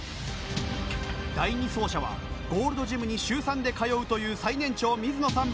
第２走者はゴールドジムに週３で通うという最年長水野さん